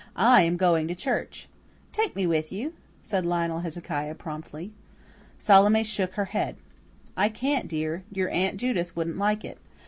"I'm going to church." "Take me with you," said Lionel Hezekiah promptly. Salome shook her head. "I can't, dear. Your Aunt Judith wouldn't like it.